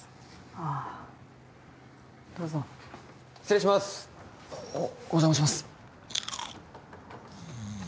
ああどうぞ失礼しますおお邪魔します